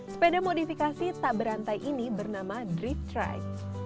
sepeda modifikasi tak berantai ini bernama drift trike